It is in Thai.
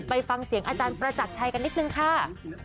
ไปฟังเสียงอาจารย์ประจักรชัยกันนิดนึงค่ะ